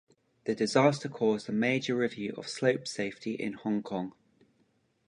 This disaster caused a major review of slope safety in Hong Kong.